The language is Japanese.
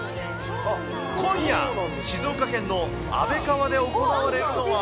今夜、静岡県の安倍川で行われるのは。